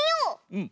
うん。